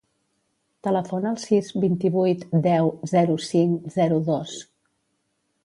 Telefona al sis, vint-i-vuit, deu, zero, cinc, zero, dos.